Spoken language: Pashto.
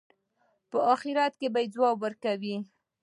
په آخرت کې به ځواب ورکوي.